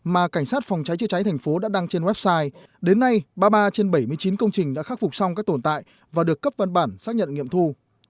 mà cảnh sát phòng cháy chữa cháy thành phố đã đăng trên website đến nay ba mươi ba trên bảy mươi chín công trình đã khắc phục xong các tồn tại và được cấp văn bản xác nhận nghiệm thu